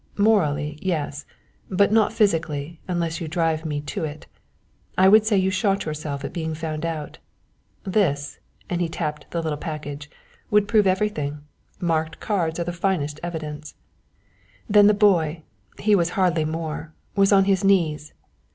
"Morally, yes, but not physically unless you drive me to it. I would say you shot yourself at being found out. This," and he tapped the little package, "would prove everything; marked cards are the finest of evidence." Then the boy he was hardly more was on his knees.